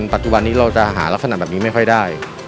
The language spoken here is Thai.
ปัจจุบันนี้เราจะหารักษณะแบบนี้ไม่ค่อยได้